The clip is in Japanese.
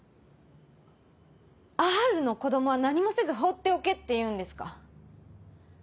Ｒの子供は何もせず放っておけっていうんですか。